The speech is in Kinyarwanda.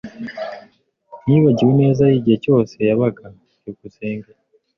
Ntiyibagiwe ineza ye igihe cyose yabaga. byukusenge